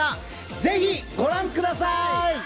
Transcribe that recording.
ぜひご覧ください。